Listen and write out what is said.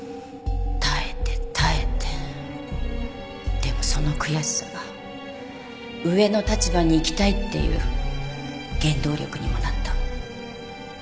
でもその悔しさが上の立場に行きたいっていう原動力にもなった。